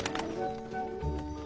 あ。